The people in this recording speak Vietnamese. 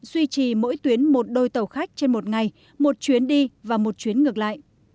duy trì mỗi tuyến một đôi tàu khách trên một ngày một chuyến đi và một chuyến ngược lại